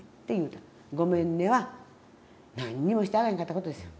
「ごめんね」は何にもしてあげんかったことですよ。